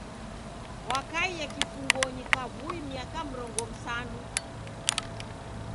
Wakaie kifungonyi kavui miaka mirongo msanu.